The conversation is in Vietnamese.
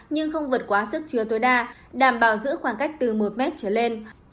nhưng không vượt quá sức trừa tối đa đảm bảo giữ khoảng cách từ một m trở lên